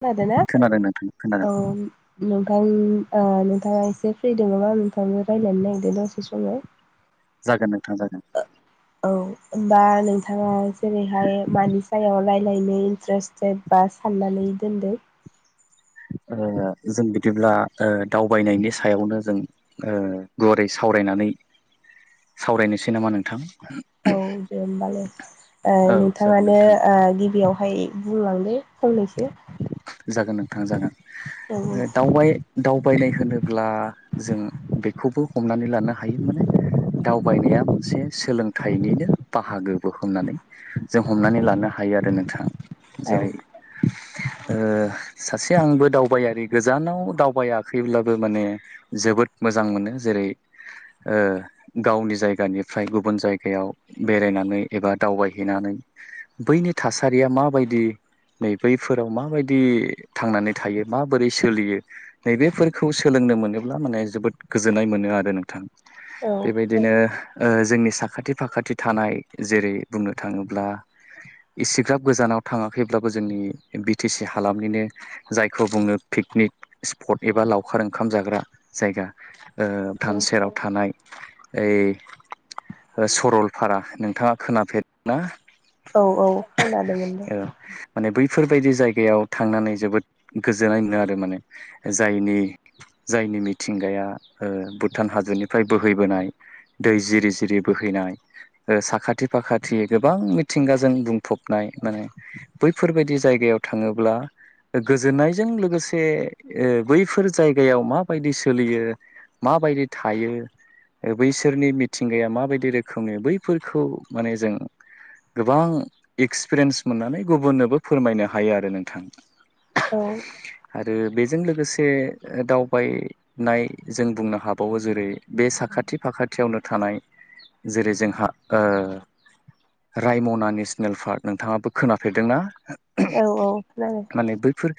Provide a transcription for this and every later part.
खोनादों ना खोनादों नोंथां खोनादों औ। नोंथां नोंथाङा एसे फ्रि दङामा नोंथाङो रायनानै नागिरदो दसे समाव जागोन नोंथां जागोन। औ हबा नोंथाङा जेरैहाय मानि सायाव रायज्लाय मिलायनो इन्टारेस्टेड बा साननानै दोनदो। जों बिदिब्ला दावबायनायनि सायावनो जों गुवारै सावरायनानै सावरायनोसै नामा नोंथां। औ दे होमबालाय औ जागोन नोंथाङानो नोंथां गिबियाव आवहाय बुंलांदो फननैसो जागोन नोंथां जागोन दावबायनाय होनोब्ला जोंङो खौबो हमनानै लानो हायो माने दावबायनाया मोनसे सोलोंथाइनिनो बाहागो। हमनानै जों हमनानै लानो हायो आरो नोंथाङा औ जेरै ओ सासे आंबो दावबायारि गोजानाव दावबायाखैब्लाबो माने जोबोद मोजां मोनो जेरै ओ गावनि जायगानिफ्राय गुबुन जायगायाव बेरायनो एबा दावबायहैनानै बैनि थासारिया माबायदि नै बैफोराव माबायदि थांनानै थायो माबोरै सोलियो नैबेफोरखौ सोलोंनो मोनोब्ला माने जोबोद गोजोननाय मोनो आरो नोंथां औ बेबायदिनो जोंनि साखाथि फाखाथि थानाय जेरै बुंनो थाङोब्ला इसिग्राब गोजानाव थाङो। थाङाखैब्लाबो जोंनि बि टि सि हालामनिनो जायखौ बुङो पिकनिक स्पट एबा लावखार ओंखाम जाग्रा जायगा थान औ सेराव थानाय ओइ सरलपारा नोंथाङा खोनाफेर ना? औ औ खोनादोंमोनदे माने बैफोरबायदि जायगायाव थांनानै जोबोद गोजोननाय मोनो आरो माने जायनि जायनि मिथिंगाया भुटान हादरनिफ्राय बोहैबोनाय दै जिरि जिरि बोहैनाय साखाथि फाखाथि गोबां मिथिंगाजों बुंफबनाय माने बैफोरबायदि जायगायाव थाङोब्ला गोजोननायजों लोगोसे बैफोर जायगायाव माबायदि सोलियो माबायदि थायो बैसोरनि मिथिंगाया माबायदि रोखोमनि बैफोरखौ माने जों गोबां एक्सपिरियेन्स मोननानै गुबुननोबो फोरमायनो हायो आरो नोंथां औ आरो बेजों लोगोसे दावबायनाय जों बुंनो हाबावो जेरै बे साखा साखाथि फाखाथियावनो थानाय जेरै जोंहा रायमना नेसनेल पार्क नोंथाङाबो खोनाफेरदोंना औ औ खोनादों माने बैफोर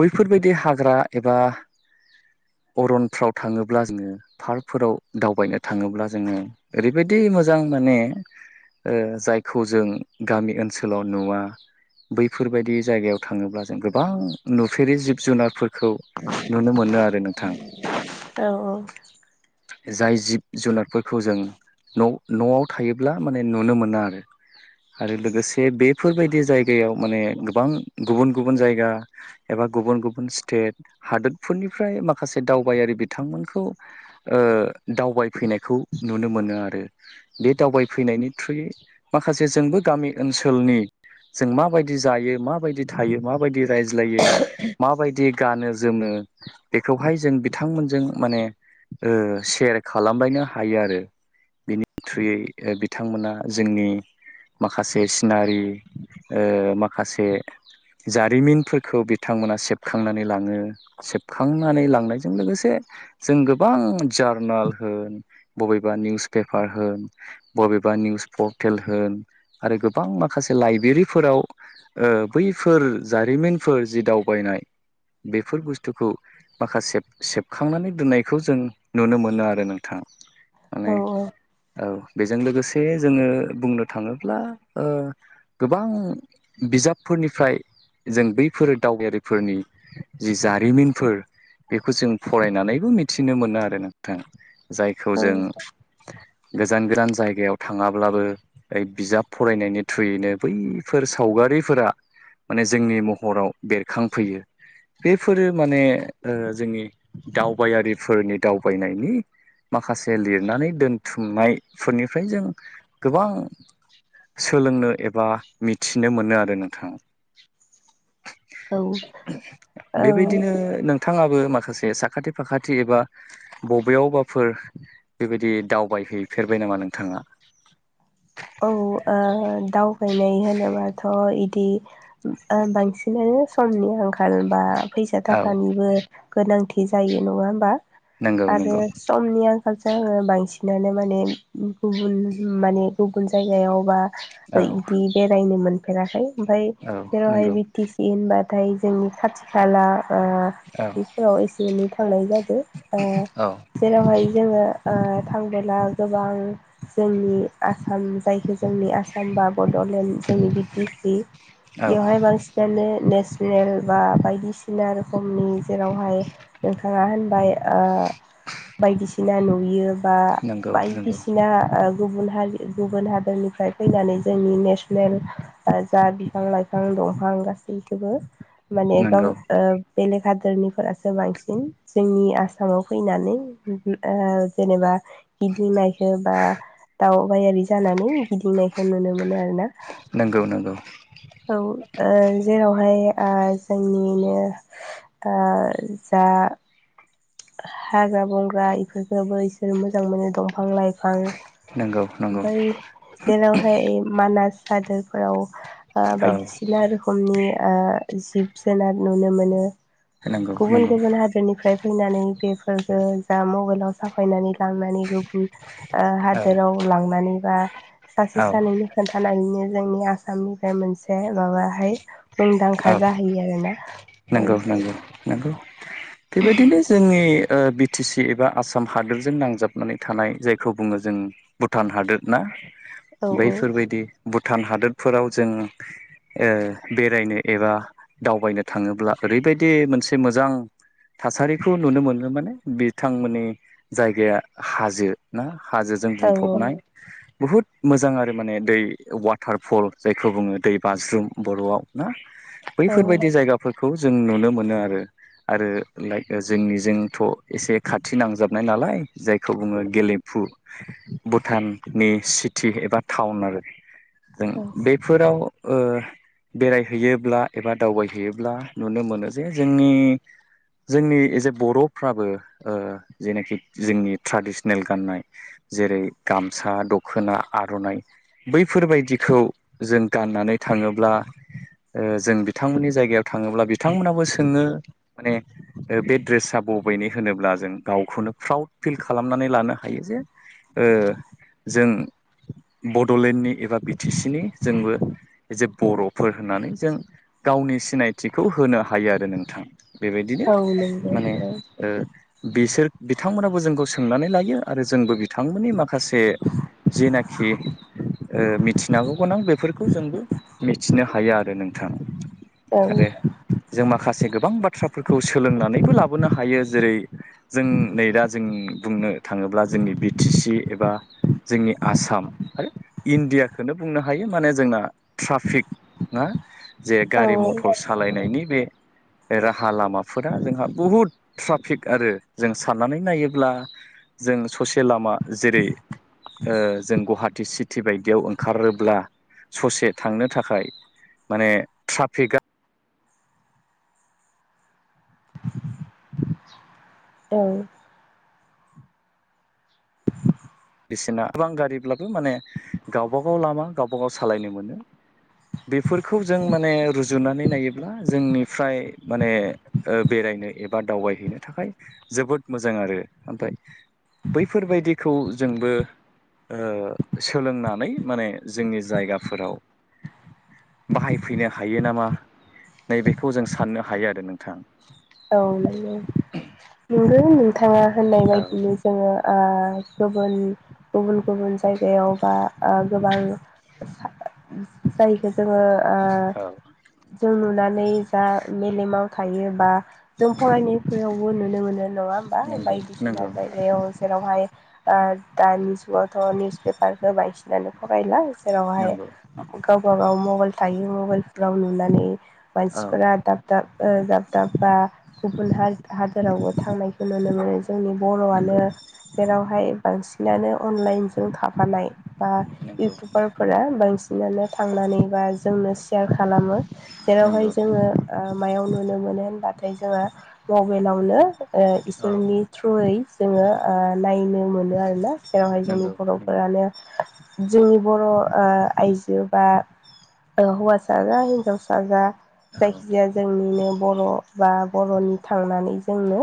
बैफोरबायदि हाग्रा एबा [unintelligible] [inaudible] अरनफ्राव थाङोब्ला जोङो पार्कफोराव दावबायनो थाङोब्ला जोङो ओरैबायदि मोजां माने ओ जायखौ जों गामि ओनसोलाव नुवा बैफोरबायदि जायगायाव थाङोब्ला जों गोबां नुफेरै जिब जुनारफोरखौ नुनो मोनो आरो नोंथां औ जाय जिब जुनारफोरखौ जों न'आव थायोब्ला माने नुनो मोना आरो आरो लोगोसे बेफोरबायदि जायगा जायगायाव माने गोबां गुबुन गुबुन जायगा एबा गुबुन गुबुन स्टेट हादोरफोरनि निफ्राय माखासे दावबायारि बिथांमोनखौ दावबायफैनायखौ नुनो मोनो आरो आरो बे दावबायफैनायनि थ्रुयै माखासे जोंबो गामि ओनसोलनि जों माबायदि जायो माबायदि थायो माबायदि रायज्लायो माबायदि गानो जोमो बेखौहाय जों बिथांमोनजों माने सेयार खालामबायनो हायो आरो बिनि थ्रुयै बिथांमोना जोंनि माखासे सिनारि माखासे जारिमिनफोरखौ बिथांमोना सेबखांनानै लाङो सेबखांनानै लांनायजों लोगोसे जों गोबां जार्नेल होन बबेबा निउस पेपार होन बबेबा बा निउज परटेल होन आरो गोबां माखासे लाइबेरि फोराव बैफोर जारिमिनफोर जि दावबायनाय बेफोर बुस्थुखौ माखासे सेबखांनानै दोननायखौ जों नुनो मोनो आरो नोंथाङा औ माने औ बेजों लोगोसे जोङो बुंनो थाङोब्ला गोबां बिजाबफोरनिफ्राय जों बैफोर दावबायारिफोरनि जि जारिमिनफोर बेखौ जों फरायनानैबो मिथिनो मोनो आरो नोंथां जायखौ जों गोजान गोदान जायगायाव थाङाब्लाबो ओइ बिजाब फरायनायनि थ्रुयैनो बैफोर सावगारिफोरा माने जोंनि महराव बेरखांफैयो बेफोरो माने जोंनि दावबायारिफोरनि दावबायनायनि माखासे लिरनानै दोनथुमनायफोरनिफ्राय जों गोबां सोलोंनो एबा मिथिनो मोनो आरो नोंथांा औ औ बेबायदिनो नोंथाङाबो माखासे साखाथि फाखाथि एबा बबेयावबाफोर बेबायदि दावबायहैफेरबाय हैबाय नामा नोंथाङा औ ओ दावबायनाय होनोबाथ' बिदि बांसिनानो समनि आंखाल बा फैसा औ थाखानिबो गोनांथि जायो नङा होमबा नंगौ आरो नंगौ समनिया हाबसा आङो बांसिनानो माने गुबुन माने गुबुन जायगायावबा औ बिदि बेरायनो मोनफेराखै ओमफफ्राय औ जेरावहाय नंगौ बि टि सि होनबा नाथाय जोंनि खाथि खाला बा औ बेफोराव एसे एनै थांनाय जादों । बा औ जेरावहाय जोङो आ थांबोला गोबां जोंनि आसाम जायखौ जोंनि आसाम बा बड'लेण्ड जोंनि बि टि सि औ एवाहाय बांसिनानो नेस नेल बा बायदिसिना रोखोमनि जेरावहाय नोंथाङा होनबाय आ बायदिसिना नुयो बा नंगौ नंगौ बायदिसिना ओ गुबुन हारि गुबुन हादरनिफ्राय फैनानै जोंनि नेसनेल आ जा बिफां लाइफां दंफां गासैखौबो माने गाव नंगौ ओ बेलेग हादोरनिफोरासो बांसिन जोंनि आसामाव फैनानै ओ जेनेबा गिदिं नायखौ बा दाउ बायारि जानानै गिदिंनायखौ नुनो मोनो आरो ना । नंगौ नंगौ औ ओ जेरावहाय आ जोंनिनो आ जा ग्रा हाग्रा बंग्रा इफोर बो इसोर मोजां मोनो दंफां लाइफां नंगौ नंगौ ओमफाय जेरावहाय मानास हादोरफोराव आ औ बायदिसिना रोखोमनि आ जिब जुनार नुनो मोनो नंगौ गुबुन नंगौ गुबुन हादोरनिफ्राय फैनानै बेफोरखौ जा मबाइलाव साफायनानै लांनानै गुबुन ओ औ हादोराव लांनानै बा सासे औ सानैनि खोन्थानानैनो जोंनि आसामनिफ्राय मोनसे माबाहाय मुंदांखा औ जाहैयो आरोना औ नंगौ । नंगौ नंगौ बेबायदिनो जोंनि ओ बिटि सि एबा आसाम हादोरजों नांजाबनानै थानाय जायखौ बुङो जों भुटान हादोर ना? बैफोरबायदि भुटान हादोरफोराव जों ओ बेरायनो एबा दावबायनो थाङोब्ला ओरैबायदि मोनसे मोजां थासारिखौ नुनो मोनो माने बिथांमोननि जायगाया हाजो ना? हाजोजों औ बुंफबनाय बुहुद मोजां आरो माने दै वाटारफल जायखौ बुङो दै बाज्रुम बर'आव ना? औ बैफोरबायदि जायगाफोरखौ जों नुनो मोनो आरो । आरो लाइक जोंनिजोंथ' एसे खाथि नांजाबनाय नालाय जायखौ बुङो गेलेफु भुटाननि सिटि एबा टाउन आरो । जों औ बेफोराव ओ बेराय हैयोब्ला एबा दावबायहैयोब्ला नुनो मोनो जे जोंनि जोंनि ए जे बर'फ्राबो ओ जेनाखि जोंनि ट्रेडिसनेल गाननाय जेरै गामसा दख'ना आर'नाइ बैफोरबायदिखौ जों गाननानै थाङोब्ला ओ जों बिथांमोननि जायगायाव थाङोब्ला बिथांमोनाबो सोङो माने ओ बे ड्रेसा बबाव बैनि होनोब्ला जों गावखौनो प्राउड फिल खालामनानै लानो हायो जे ओ जों बड'लेण्डनि एबा बि टि सि नि जोंबो जे बर'फोर होननानै जों गावनि सिनायथिखौ होनो हायो आरो नोंथां । बेबायदिनो औ नंगौ माने औ ओ बिसोर बिथांमोनाबो जोंखौ सोंनानै लायो आरो जोंबो बिथांमोननि मा खासे जेनाखि ओ मिथिनांगौ गोनां बेफोरखौ जोंबो मिथिनो हायो आरो नों थां औ । आरो जों माखासे गोबां बाथ्राफोर खौ सोलोंनानैबो लाबोनो हायो जेरै जों नै दा जोंनि बुंनो थाङोब्ला जोंनि बि टि सि एबा जोंनि आसाम आरो इण्डियाखोनो बुंनो हायो माने जोंना ट्राफिक ना जे औ गारि मथर सालायनायनि बे राहा लामाफोरा जोंहा बुहुद ट्राफिक आरो जों साननानै नायोब्ला जों ससे लामा जेरै ओ जों गुवाहाटि सिटि बाय दियाव ओंखारोब्ला ससे थांनो थाखाय माने ट्राफिकआ औ बिसिना गोबां गारिब्लाबो माने गावबा गाव लामा गावबा गाव सालायनो मोनो। बेफोरखौ जों माने रुजुनानै नायोब्ला जोंनिफ्राय माने ओ बेराय नो एबा दावबायहैनो थाखाय जोबोद मोजां आरो ओमफाय बैफोरबायदिखौ जोंबो ओ सोलोंनानै माने जोंनि जायगाफोराव बाहायफैनो हायो नामा नैबेखौ जों साननो हायो आरो नोंथां। औ नोंगौ नोंगौ नोंथाङा होननाय औ बायदिनो जोङो ओ गुबुन गुबुन गुबुन जायगायाव बा ओ गोबां जायखो जोङो ओ औ ‌जों नुनानै जा मेलेमाव थायो बा जों फरायनायफोरावबो नुनो मोनो नङा होमबा नंगौ बायदिसिना नंगौ जायगायाव जेरावहाय ओ ओ दानि जुगावथ' निउस पेपारखो होबाय बिनानै फरायला जेरावहाय नंगौ गावबागाव मबाइल थायो मबाइलफ्राव नुनानै औ मानसिफोरा दाब दाब ओ दाब दाब बा गुबुन हा- हादोर रावबो थांनायखौ नुनो मोनो जोंनि बर'आनो नंगौ जेरावहाय बांसिन बांसिनानो अनलाइनजों थाफानाय। बा नंगौ इउटुबारफोरा बांसिनानो थांनानै बा जोंनो सेयार खालामो। जेरावहाय नंगौ जोङो नंगौ ओ मायाव नुनो मोनो होनबाथाय जोङो मबाइलावनो ओ औ इसोरनि थ्रुयै जोङो ओ नायनो मोनो आरोना। जेरावहाय जोंनि नंगौ नंगौ बर'फोरानो जोंनि बर' ओ आइजो बा ओ हौवासा जा हिनजावसा जा औ जायखिजाया जोंनिनो बर' बा बर'नि थांनानै जोंनो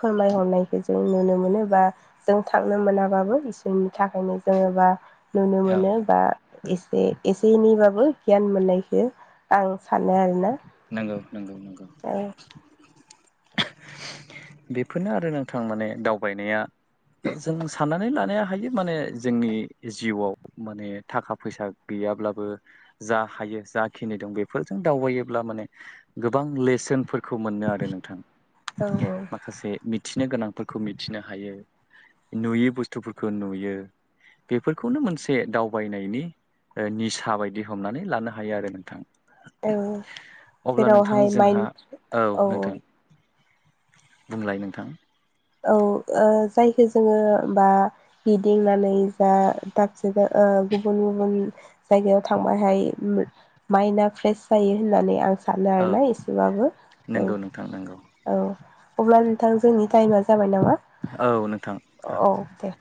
फोरमायहरनायखौ जों नुनो मोनो बा जों थांनो मोना बाबो बिसोरनि थाखायनो जोङो बा नुनो औ मोनो बा एसे एसे एनैबाबो गियान मोननायखो आं सानो आरोना। नोंगौ नोंगौ नोंगौ। औ बेफोरनो आरो नोंथां माने दावबायनाया जों सानना नानै लानाया हायो माने जोंनि जिउआव माने थाखा फैसा गैयाब्लाबो जा हायो जाखिनि दं बेफोरजों दावबायोब्ला माने गोबां लेसोन फोरखौ मोनो आरो नोंथां औ माखासे मिथिनो गोनांफोरखौ मिथिनो हायो। नुयि बुस्थुफोरखौ नुयो बेफोरखौनो मोनसे दावबायनायनि ओ निसा बायदि हमनानै लानो हायो आरो नोंथां। औ अब्ला नोंथां जेरावहाय जोंहा माइन औ औ। बुंलाय नोंथां। औ ओ जायखौ जोङो बा गिदिंनानै जा दाबसे जा ओ गुबुन गुबुन जायगायाव थांबायहाय माइन्दआ फ्रेश जायो होननानै आं सानो औ आरोना एसेबाबो औ नंगौ नोंथां नंगौ औ। अब्ला नोंथां जोंनि टाइमा जाबाय नामा औ नोंथां औ दे।